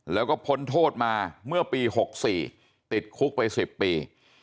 แล้วก็พ้นโทษมาเมื่อปี๖๔ติดคุกไป๑๐ปี